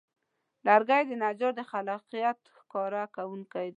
لرګی د نجار د خلاقیت ښکاره کوونکی دی.